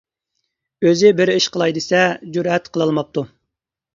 ئۆزى بىر ئىش قىلاي دېسە جۈرئەت قىلالماپتۇ.